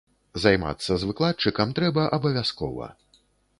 Займацца з выкладчыкам трэба абавязкова.